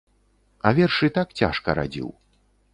А вершы так цяжка радзіў.